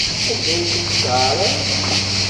Anda ay tent-tɛerram?